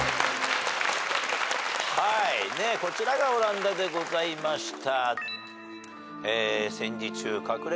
はいこちらがオランダでございました。